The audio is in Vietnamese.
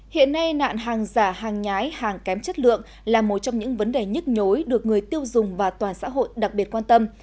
hiện nay nạn hàng giả hàng nhái hàng kém chất lượng là một trong những vấn đề nhức nhối được người tiêu dùng và toàn xã hội đặc biệt quan tâm